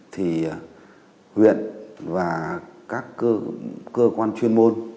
thì huyện và các cơ quan chuyên môn